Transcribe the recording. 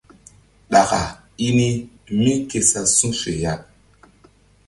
Ɗaka i ni mí ke sa su̧ fe ya.